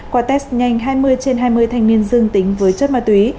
qua test nhanh hai mươi trên hai mươi thanh niên dương tính với chất ma túy